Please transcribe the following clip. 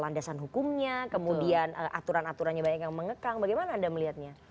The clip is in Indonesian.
landasan hukumnya kemudian aturan aturannya banyak yang mengekang bagaimana anda melihatnya